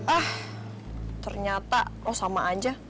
ah ternyata oh sama aja